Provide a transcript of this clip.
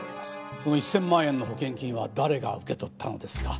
その１０００万円の保険金は誰が受け取ったのですか？